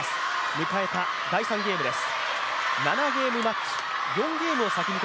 迎えた第３ゲームです。